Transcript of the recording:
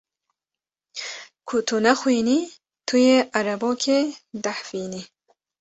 Ku tu nexwînî tu yê erebokê dehfînî.